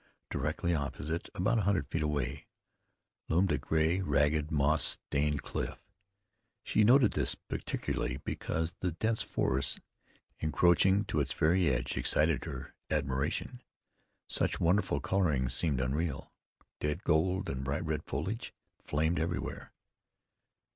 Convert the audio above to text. Directly opposite, about an hundred feet away, loomed a gray, ragged, moss stained cliff. She noted this particularly because the dense forest encroaching to its very edge excited her admiration. Such wonderful coloring seemed unreal. Dead gold and bright red foliage flamed everywhere.